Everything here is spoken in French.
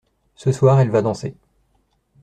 Ce soir elle va danser.